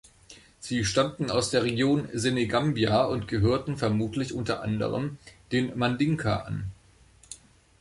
Sie stammten aus der Region Senegambia und gehörten vermutlich unter anderem den Mandinka an.